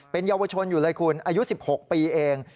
เป็นเยาวชนอยู่เลยคุณอายุ๑๖ปีเอง